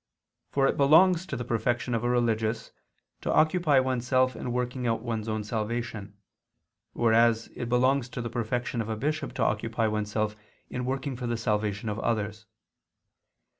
For it belongs to the perfection of a religious to occupy oneself in working out one's own salvation, whereas it belongs to the perfection of a bishop to occupy oneself in working for the salvation of others.